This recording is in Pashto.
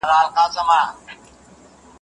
موږ هڅه کوو چي خپل ادبي میراث وساتو.